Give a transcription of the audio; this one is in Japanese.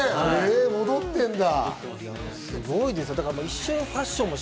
戻ってるんだ。